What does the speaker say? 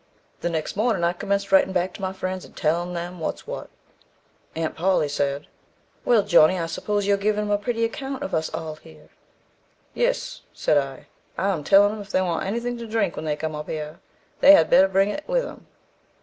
The next morning, I commenced writing back to my friends, and telling them what's what. Aunt Polly said, 'Well, Johnny, I s'pose you are given 'em a pretty account of us all here.' 'Yes,' said I; I am tellin' 'em if they want anything to drink when they come up here, they had better bring it with 'em.'